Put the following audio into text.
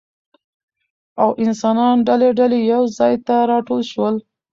او انسانان ډله ډله يو ځاى ته راټول شول